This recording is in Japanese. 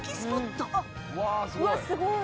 「うわっすごい！